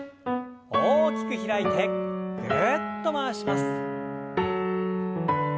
大きく開いてぐるっと回します。